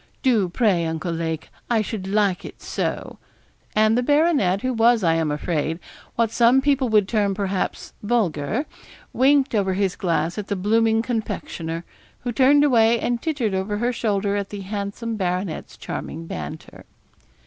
Do, pray, Uncle Lake; I should like it so,' and the baronet, who was, I am afraid, what some people would term, perhaps, vulgar, winked over his glass at the blooming confectioner, who turned away and tittered over her shoulder at the handsome baronet's charming banter.